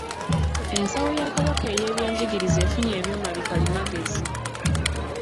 Ensawo ya Kabaka ey'eby'Enjigiriza efunye ebyuma bikalimagezi.